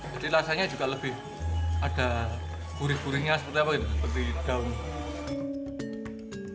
jadi rasanya juga lebih ada gurih gurihnya seperti apa itu seperti daun